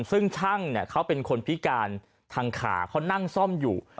ซึ่งช่างเขาเป็นคนพิการทางขาเขานั่งซ่อมอยู่